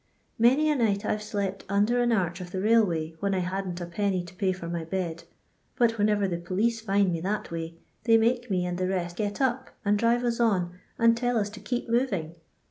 Many a night I've slept under an arch of the rail nay when I hadn't a penny to pay for my bed ; Ijut whenever the police find me that way, they make me and the rest get up, and drive us on, and toll us to keep moving.